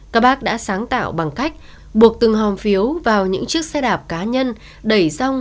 các bác đã sáng tạo bằng cách buộc từng hòm phiếu vào những chiếc xe đạp cá nhân đẩy rong